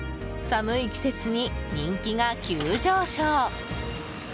寒い季節に、人気が急上昇！